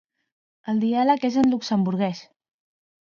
El diàleg és en luxemburguès.